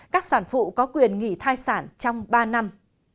các sản phụ có quyền nghỉ thai sản trong ba năm